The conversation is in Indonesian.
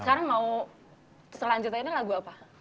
sekarang mau selanjutnya ini lagu apa